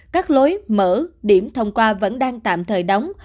các lối mở điểm thông qua vẫn đang tạm thời đóng